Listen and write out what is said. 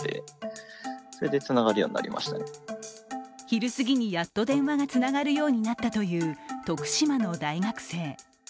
昼過ぎにやっと電話がつながるようになったという徳島の大学生。